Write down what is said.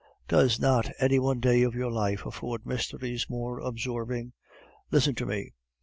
Does not any one day of your life afford mysteries more absorbing? Listen to me.